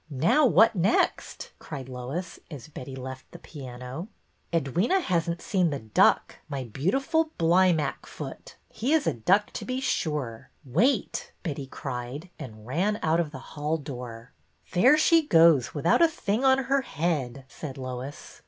"Now, what next?" cried Lois, as Betty left the piano. " Edwyna has n't seen The Duck, my beautiful Blymackfoot. He is a duck to be sure. Wait! " Betty cried, and ran out of the hall door. " There she goes, without a thing on her head," said Lois.